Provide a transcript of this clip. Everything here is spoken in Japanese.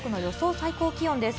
最高気温です。